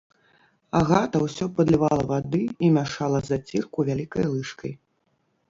Агата ўсё падлівала вады і мяшала зацірку вялікай лыжкай.